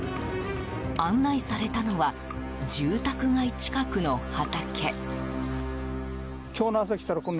案内されたのは住宅街近くの畑。